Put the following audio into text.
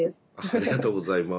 ありがとうございます。